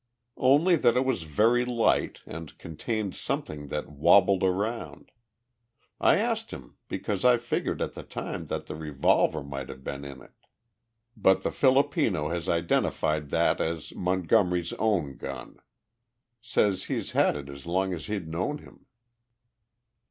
"Only that it was very light and contained something that wabbled around. I asked him because I figured at the time that the revolver might have been in it. But the Filipino has identified that as Montgomery's own gun. Says he'd had it as long as he'd known him."